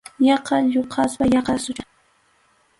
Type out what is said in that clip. Yaqa lluqaspa, yaqa suchuspalla.